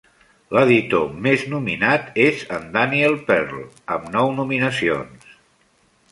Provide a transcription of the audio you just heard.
L'editor més nominat és en Daniel Pearl, amb nou nominacions.